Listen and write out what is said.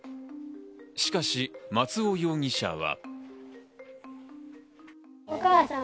しかし松尾容疑者は。